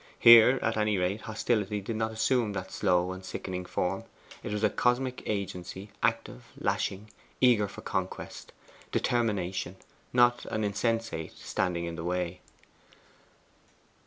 Here, at any rate, hostility did not assume that slow and sickening form. It was a cosmic agency, active, lashing, eager for conquest: determination; not an insensate standing in the way.